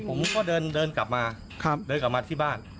ผมก็เดินกลับมาเดินกลับมาที่บ้าน